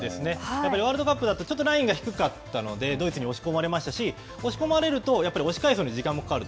やっぱりワールドカップだと、ちょっとラインが低かったのでドイツに押し込まれましたし、押し込まれると押し返すにも時間がかかる。